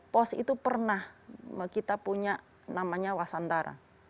pos itu pernah kita punya namanya wasantara